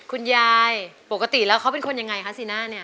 คุณยายปกติแล้วเขาเป็นคนยังไงคะซีน่าเนี่ย